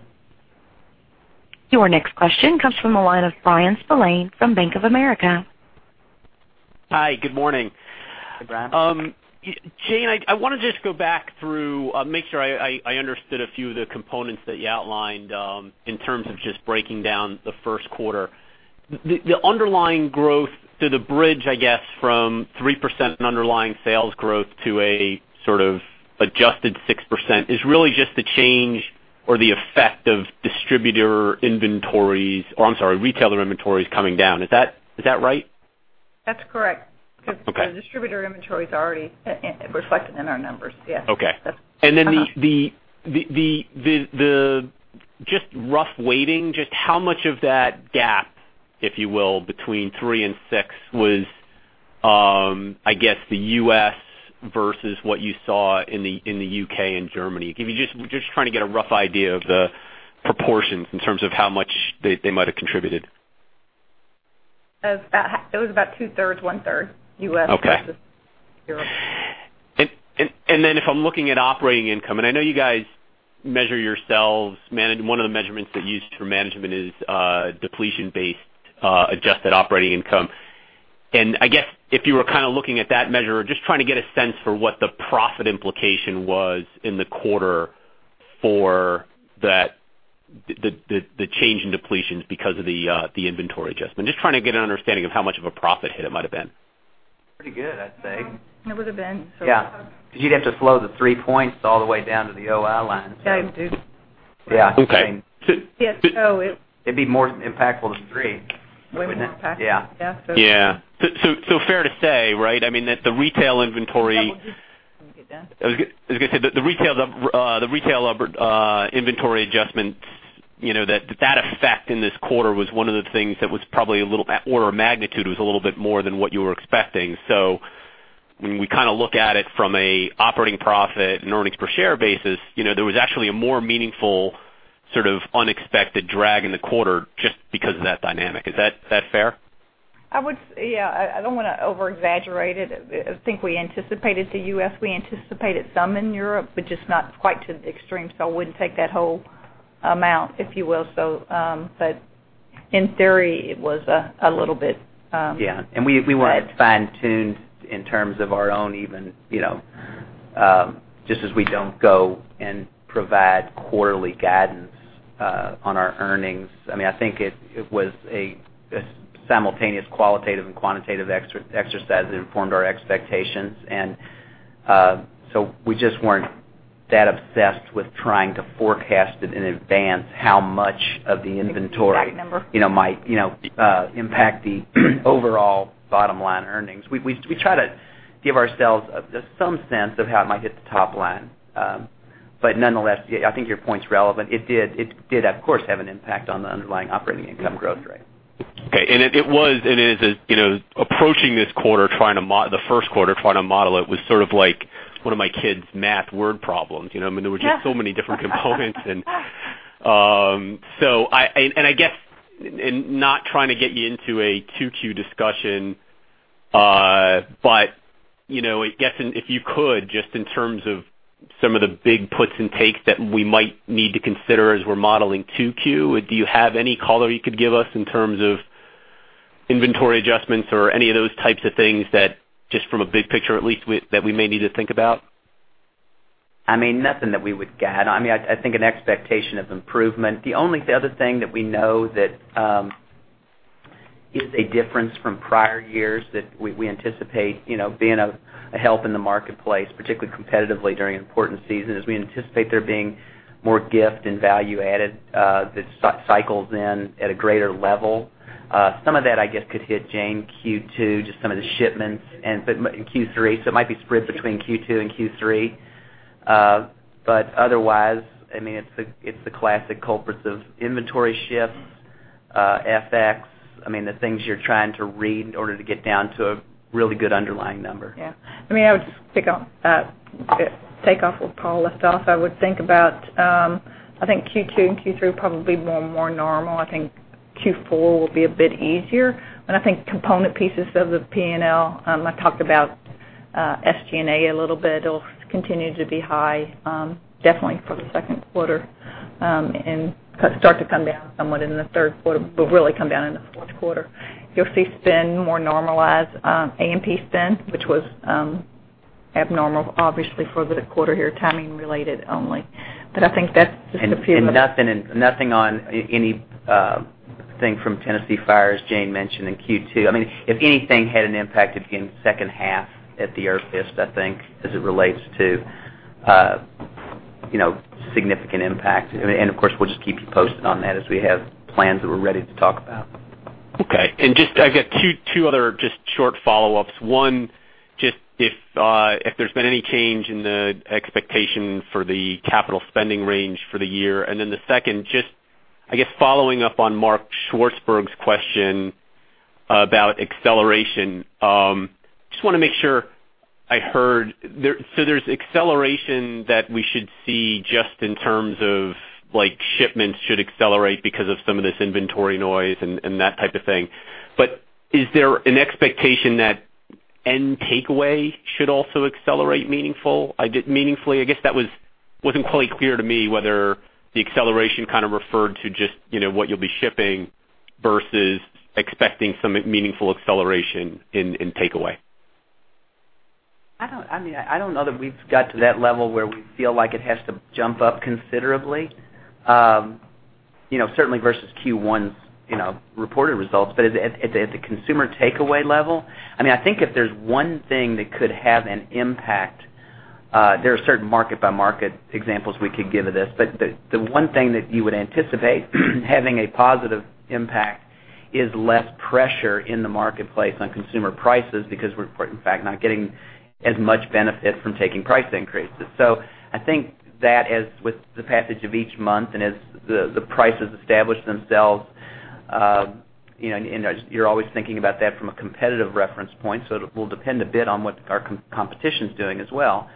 Your next question comes from the line of Bryan Spillane from Bank of America. Hi, good morning. Hi, Bryan. Jane, I want to just go back through, make sure I understood a few of the components that you outlined, in terms of just breaking down the first quarter. The underlying growth to the bridge, I guess, from 3% in underlying sales growth to a sort of adjusted 6% is really just the change or the effect of retailer inventories coming down. Is that right? That's correct. Okay. Because the distributor inventory is already reflected in our numbers. Yes. Okay. That's. Then the just rough weighting, just how much of that gap, if you will, between three and six was, I guess, the U.S. versus what you saw in the U.K. and Germany? Just trying to get a rough idea of the proportions in terms of how much they might have contributed. It was about two-thirds, one-third U.S. Okay versus Europe. If I'm looking at Operating Income, I know you guys measure yourselves, one of the measurements that you use for management is Depletion-Based Adjusted Operating Income. I guess if you were kind of looking at that measure, just trying to get a sense for what the profit implication was in the quarter for the change in depletions because of the inventory adjustment. Just trying to get an understanding of how much of a profit hit it might've been. Pretty good, I'd say. It would've been. Yeah. You'd have to slow the three points all the way down to the OI line. Yeah, you do. Yeah. Okay. Yes. It'd be more impactful than three. Way more impactful. Yeah. Yeah. Yeah. Fair to say, right? I mean, that the retail inventory. Let me get down. I was going to say, the retail inventory adjustments, that effect in this quarter was one of the things that was probably a little, or magnitude was a little bit more than what you were expecting. When we look at it from an operating profit and earnings per share basis, there was actually a more meaningful, sort of unexpected drag in the quarter just because of that dynamic. Is that fair? I would say, yeah. I don't want to over-exaggerate it. I think we anticipated the U.S., we anticipated some in Europe, but just not quite to the extreme. I wouldn't take that whole amount, if you will. In theory, it was a little bit. Yeah. We weren't fine-tuned in terms of our own even, just as we don't go and provide quarterly guidance, on our earnings. I think it was a simultaneous qualitative and quantitative exercise that informed our expectations. We just weren't that obsessed with trying to forecast it in advance, how much of the inventory- Exact number might impact the overall bottom line earnings. We try to give ourselves just some sense of how it might hit the top line. Nonetheless, I think your point's relevant. It did, of course, have an impact on the underlying operating income growth rate. Okay. It was, and is, approaching this quarter, the first quarter, trying to model it was sort of like one of my kids' math word problems. There were just so many different components. I guess, and not trying to get you into a 2Q discussion, I guess, if you could, just in terms of some of the big puts and takes that we might need to consider as we're modeling 2Q, do you have any color you could give us in terms of inventory adjustments or any of those types of things that, just from a big picture, at least, that we may need to think about? I mean, nothing that we would guide on. I think an expectation of improvement. The only other thing that we know that is a difference from prior years that we anticipate being a help in the marketplace, particularly competitively during important seasons. We anticipate there being more gift and value added that cycles in at a greater level. Some of that, I guess, could hit Jane in Q2, just some of the shipments and a bit in Q3. It might be spread between Q2 and Q3. Otherwise, it's the classic culprits of inventory shifts, FX. I mean, the things you're trying to read in order to get down to a really good underlying number. Yeah. I would just take off where Paul left off. I would think about Q2 and Q3 probably being more normal. I think Q4 will be a bit easier. I think component pieces of the P&L, I talked about SG&A a little bit, it'll continue to be high, definitely for the second quarter, and start to come down somewhat in the third quarter, really come down in the fourth quarter. You'll see spend more normalized, A&P spend, which was abnormal, obviously, for the quarter here, timing related only. I think that's just a few of the- Nothing on anything from Jack Daniel's Tennessee Fire Jane Morreau mentioned in Q2. If anything had an impact, it would be in the second half at the earliest, I think, as it relates to significant impact. Of course, we'll just keep you posted on that as we have plans that we are ready to talk about. Okay. Just, I got two other short follow-ups. One, if there has been any change in the expectation for the CapEx range for the year. The second, following up on Mark Swartzberg's question about acceleration. I want to make sure I heard. There is acceleration that we should see in terms of shipments should accelerate because of some of this inventory noise and that type of thing. Is there an expectation that end takeaway should also accelerate meaningfully? That was not quite clear to me whether the acceleration kind of referred to just what you will be shipping versus expecting some meaningful acceleration in takeaway. I do not know that we have got to that level where we feel like it has to jump up considerably. Certainly versus Q1's reported results. At the consumer takeaway level, I think if there is one thing that could have an impact, there are certain market-by-market examples we could give of this. The one thing that you would anticipate having a positive impact is less pressure in the marketplace on consumer prices because we are, in fact, not getting as much benefit from taking price increases. I think that as with the passage of each month and as the prices establish themselves, and as you are always thinking about that from a competitive reference point, it will depend a bit on what our competition is doing as well.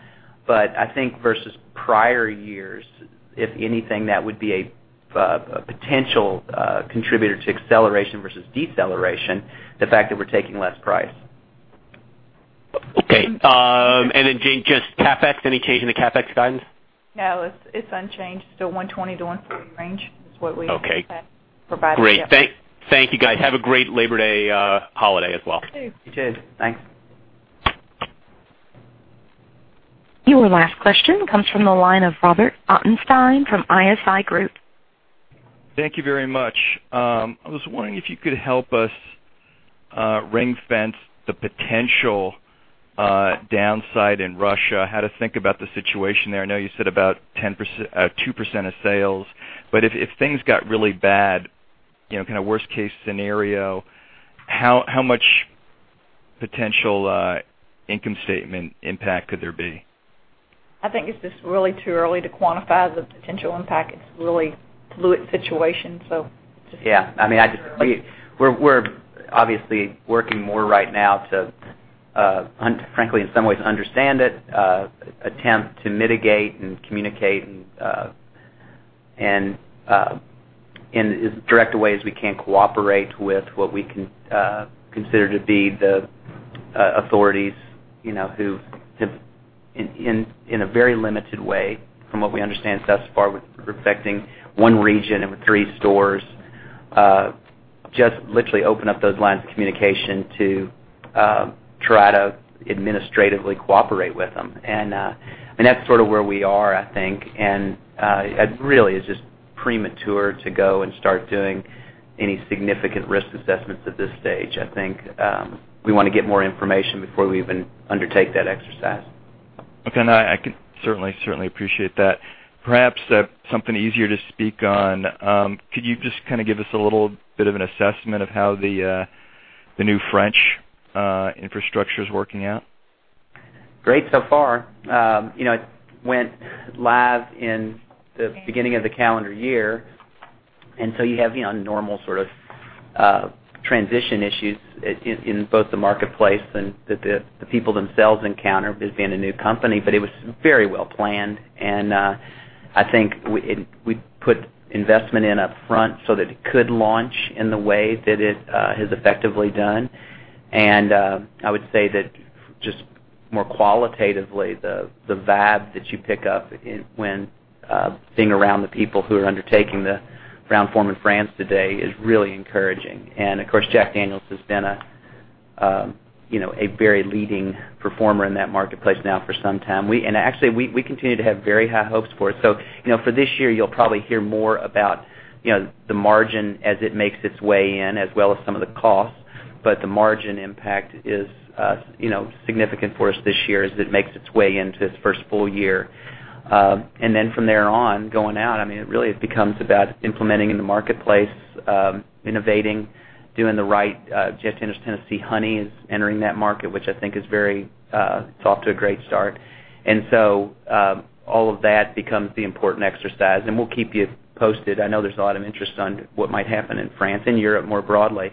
I think versus prior years, if anything, that would be a potential contributor to acceleration versus deceleration, the fact that we are taking less price. Okay. Jane, just CapEx, any change in the CapEx guidance? No, it's unchanged. Still $120-$140 range is what we- Okay have provided, yeah. Great. Thank you, guys. Have a great Labor Day holiday as well. You too. You too. Thanks. Your last question comes from the line of Robert Ottenstein from ISI Group. Thank you very much. I was wondering if you could help us ring-fence the potential downside in Russia, how to think about the situation there. I know you said about 2% of sales. If things got really bad, kind of worst case scenario, how much potential income statement impact could there be? I think it is just really too early to quantify the potential impact. It is a really fluid situation. Yeah. We are obviously working more right now to, frankly, in some ways understand it, attempt to mitigate and communicate and in as direct a way as we can cooperate with what we consider to be the authorities, who have, in a very limited way, from what we understand thus far, with respecting one region and with three stores, just literally open up those lines of communication to try to administratively cooperate with them. That is sort of where we are, I think. Really, it is just premature to go and start doing any significant risk assessments at this stage. I think we want to get more information before we even undertake that exercise. Okay. No, I can certainly appreciate that. Perhaps something easier to speak on. Could you just give us a little bit of an assessment of how the new French infrastructure is working out? Great so far. It went live in the beginning of the calendar year. You have normal sort of transition issues in both the marketplace and that the people themselves encounter with being a new company. It was very well planned. I think we put investment in upfront so that it could launch in the way that it has effectively done. I would say that just more qualitatively, the vibe that you pick up when being around the people who are undertaking the Brown-Forman France today is really encouraging. Of course, Jack Daniel's has been a very leading performer in that marketplace now for some time. Actually, we continue to have very high hopes for it. For this year, you'll probably hear more about the margin as it makes its way in, as well as some of the costs, the margin impact is significant for us this year as it makes its way into its first full year. From there on, going out, it really becomes about implementing in the marketplace, innovating, doing the right. Jack Daniel's Tennessee Honey is entering that market, which I think is very, it's off to a great start. All of that becomes the important exercise, and we'll keep you posted. I know there's a lot of interest on what might happen in France and Europe more broadly.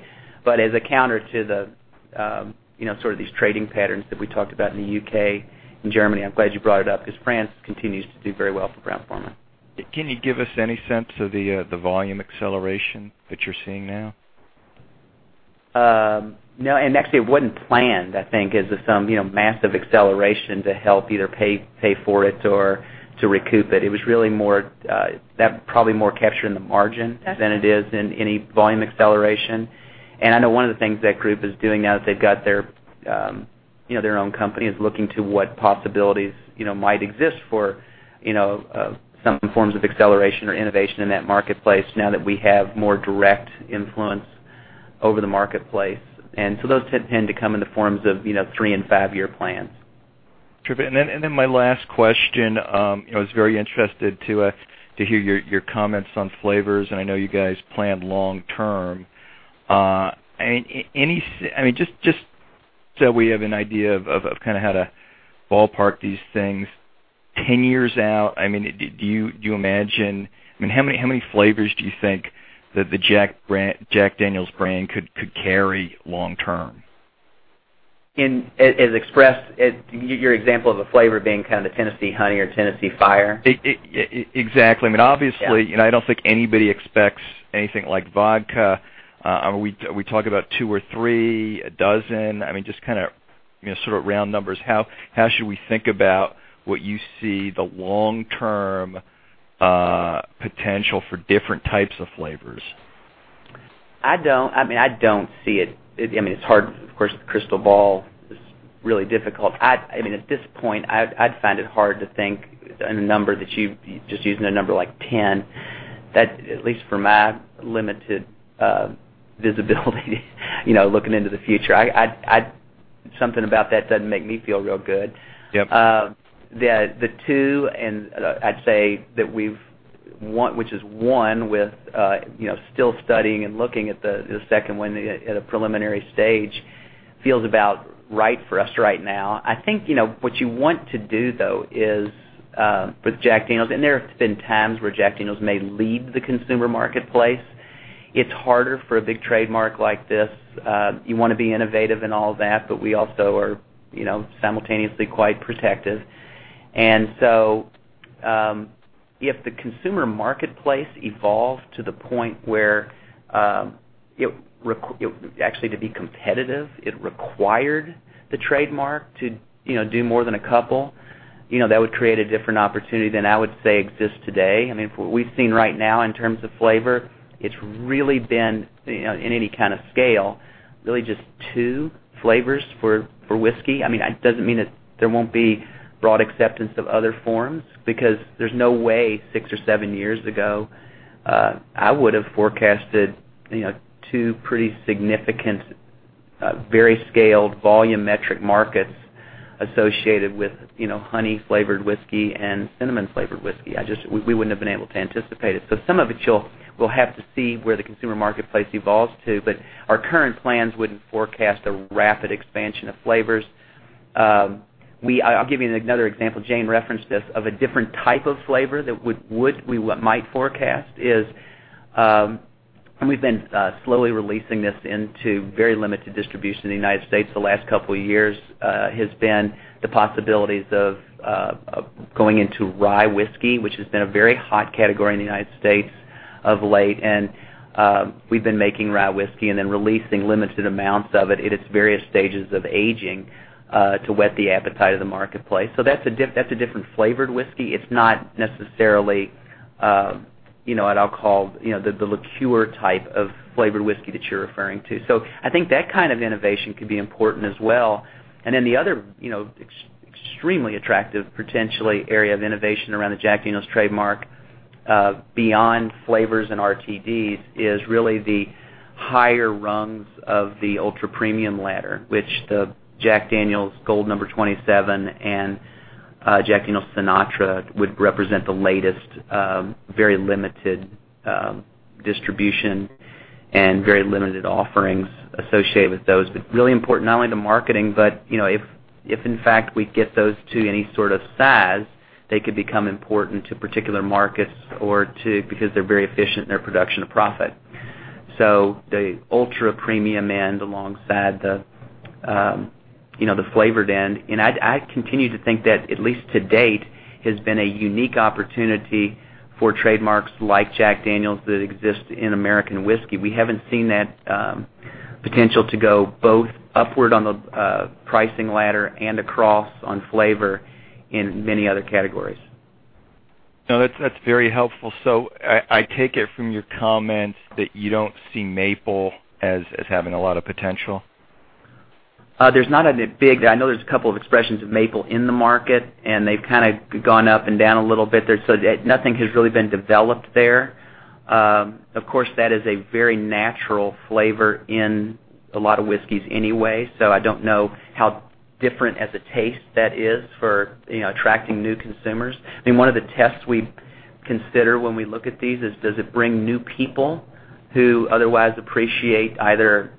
As a counter to the sort of these trading patterns that we talked about in the U.K. and Germany, I'm glad you brought it up, because France continues to do very well for Brown-Forman. Can you give us any sense of the volume acceleration that you're seeing now? No. Actually, it wasn't planned, I think, as some massive acceleration to help either pay for it or to recoup it. It was really that probably more captured in the margin than it is in any volume acceleration. I know one of the things that group is doing now that they've got their own company, is looking to what possibilities might exist for some forms of acceleration or innovation in that marketplace now that we have more direct influence over the marketplace. Those tend to come in the forms of three and five-year plans. My last question, I was very interested to hear your comments on flavors, I know you guys plan long term. Just so we have an idea of kind of how to ballpark these things, 10 years out, how many flavors do you think that the Jack Daniel's brand could carry long term? As expressed, your example of a flavor being kind of the Tennessee Honey or Tennessee Fire? Exactly. Yeah. Obviously, I don't think anybody expects anything like vodka. Are we talking about two or three, a dozen? Just kind of sort of round numbers. How should we think about what you see the long-term potential for different types of flavors? I don't. It's hard, of course, the crystal ball is really difficult. At this point, I'd find it hard to think, just using a number like 10, that at least for my limited visibility looking into the future, something about that doesn't make me feel real good. Yep. That the two, and I'd say that which is one with still studying and looking at the second one at a preliminary stage, feels about right for us right now. I think what you want to do, though, is with Jack Daniel's, and there have been times where Jack Daniel's may lead the consumer marketplace. It's harder for a big trademark like this. You want to be innovative and all that, but we also are simultaneously quite protective. If the consumer marketplace evolves to the point where, actually, to be competitive, it required the trademark to do more than a couple, that would create a different opportunity than I would say exists today. From what we've seen right now in terms of flavor, it's really been, in any kind of scale, really just two flavors for whiskey. That doesn't mean that there won't be broad acceptance of other forms, because there's no way 6 or 7 years ago, I would've forecasted two pretty significant, very scaled volume metric markets associated with honey-flavored whiskey and cinnamon-flavored whiskey. We wouldn't have been able to anticipate it. Some of it we'll have to see where the consumer marketplace evolves to, but our current plans wouldn't forecast a rapid expansion of flavors. I'll give you another example, Jane Morreau referenced this, of a different type of flavor that we might forecast is, and we've been slowly releasing this into very limited distribution in the U.S. the last couple of years, has been the possibilities of going into rye whiskey, which has been a very hot category in the U.S. of late. We've been making rye whiskey and then releasing limited amounts of it in its various stages of aging to whet the appetite of the marketplace. That's a different flavored whiskey. It's not necessarily what I'll call the liqueur type of flavored whiskey that you're referring to. I think that kind of innovation could be important as well. Then the other extremely attractive, potentially, area of innovation around the Jack Daniel's trademark, beyond flavors and RTDs, is really the higher rungs of the ultra-premium ladder, which the Jack Daniel's No. 27 Gold and Jack Daniel's Sinatra would represent the latest, very limited distribution and very limited offerings associated with those. Really important, not only to marketing, but if in fact we get those to any sort of size, they could become important to particular markets because they're very efficient in their production of profit. The ultra-premium end alongside the flavored end. I continue to think that, at least to date, has been a unique opportunity for trademarks like Jack Daniel's that exist in American whiskey. We haven't seen that potential to go both upward on the pricing ladder and across on flavor in many other categories. No, that's very helpful. I take it from your comments that you don't see maple as having a lot of potential? I know there's a couple of expressions of maple in the market, and they've kind of gone up and down a little bit there, nothing has really been developed there. Of course, that is a very natural flavor in a lot of whiskeys anyway, I don't know how different as a taste that is for attracting new consumers. One of the tests we consider when we look at these is does it bring new people who otherwise appreciate either,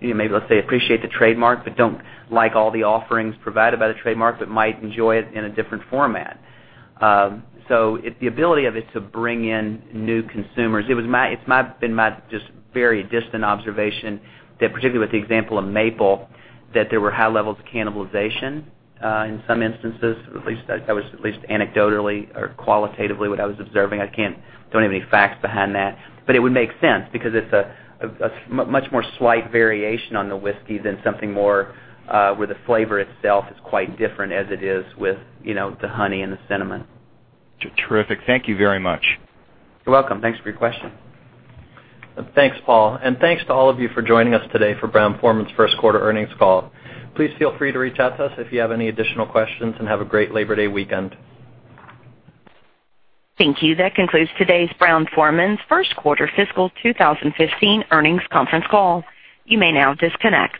maybe let's say, appreciate the trademark but don't like all the offerings provided by the trademark but might enjoy it in a different format. The ability of it to bring in new consumers. It's been my just very distant observation, that particularly with the example of maple, that there were high levels of cannibalization, in some instances, at least that was anecdotally or qualitatively what I was observing. I don't have any facts behind that. It would make sense because it's a much more slight variation on the whiskey than something more, where the flavor itself is quite different as it is with the honey and the cinnamon. Terrific. Thank you very much. You're welcome. Thanks for your question. Thanks, Paul, and thanks to all of you for joining us today for Brown-Forman's first quarter earnings call. Please feel free to reach out to us if you have any additional questions, and have a great Labor Day weekend. Thank you. That concludes today's Brown-Forman's first quarter fiscal 2015 earnings conference call. You may now disconnect.